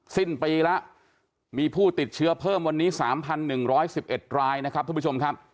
สิ้นปีแล้วมีผู้ติดเชื้อเพิ่มวันนี้๓๑๑๑๑รายนะครับทุกผู้ชมครับ